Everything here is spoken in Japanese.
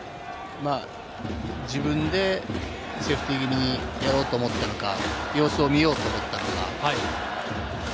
自分でセーフティー気味にやろうと思ったのか、様子を見ようと思ったのか。